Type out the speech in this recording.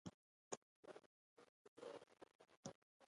پر تاکانو نوي راټوکېدلي غوټۍ زړه راکښونکې وې.